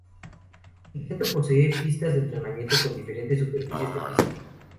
El centro posee pistas de entrenamiento con diferentes superficies de pista.